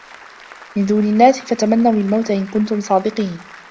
مِنْ دُونِ النَّاسِ فَتَمَنَّوُا الْمَوْتَ إِنْ كُنْتُمْ صَادِقِينَ